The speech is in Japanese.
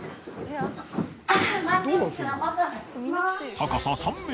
高さ３ｍ。